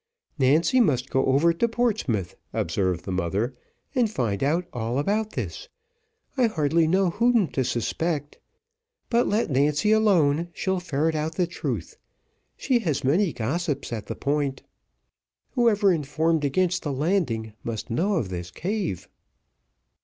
"Nancy must go over to Portsmouth," observed the mother, "and find out all about this. I hardly know whom to suspect; but let Nancy alone, she'll ferret out the truth she has many gossips at the Point. Whoever informed against the landing, must know of this cave."